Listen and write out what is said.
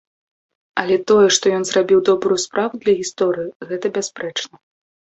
Але тое, што ён зрабіў добрую справу для гісторыі, гэта бясспрэчна.